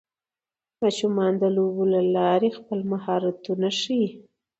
ماشومان د لوبو له لارې خپل مهارتونه وښيي